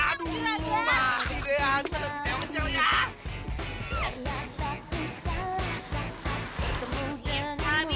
aduh ini gak beda sama sepeda tadi